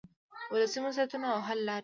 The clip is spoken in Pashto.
ولسي مسؤلیتونه او حل لارې.